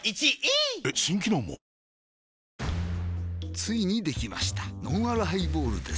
ついにできましたのんあるハイボールです